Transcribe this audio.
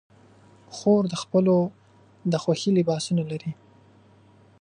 خور د خپلو د خوښې لباسونه لري.